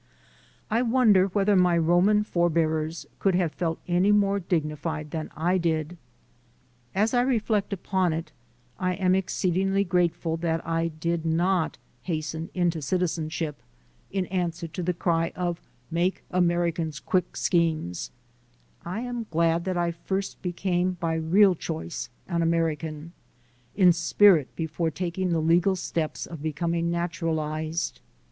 I wonder whether my Roman forbears could have felt any more dignified than I did. As I reflect upon it, I am exceedingly grateful that I did not hasten into citizenship in answer to the cry of make Americans quick schemes ; I am glad that I first became by real choice an American in spirit before taking the legal steps of becoming naturalized.